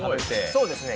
そうですね。